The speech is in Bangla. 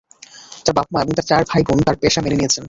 তার বাবা-মা এবং তার চার ভাইবোন তার পেশা মেনে নিয়েছেন।